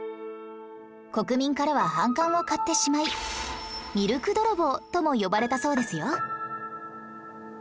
国民からは反感を買ってしまい「ミルク泥棒」とも呼ばれたそうですよ